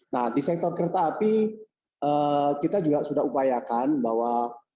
nah di sektor kereta api kita juga sudah upayakan bahwa